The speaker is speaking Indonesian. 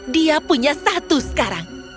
dia punya satu sekarang